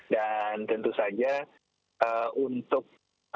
dan tentu saja untuk